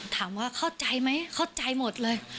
ถามว่าเข้าใจไหมเข้าใจหมดเลย